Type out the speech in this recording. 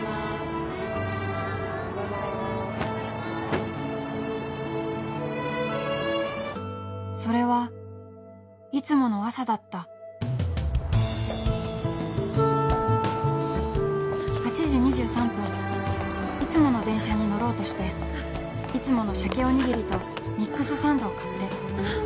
おはようございますおはようございますおはようございますそれはいつもの朝だった８時２３分いつもの電車に乗ろうとしていつものしゃけおにぎりとミックスサンドを買ってああ